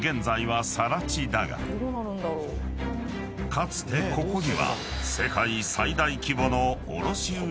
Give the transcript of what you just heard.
［かつてここには］